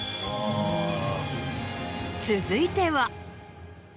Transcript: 続いては。